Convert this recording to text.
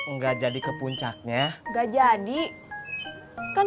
nda tuh nde dament jang dan distributor